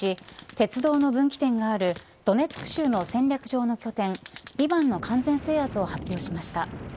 鉄道の分岐点があるドネツク州の戦略上の拠点、リマンの完全制圧を発表しました。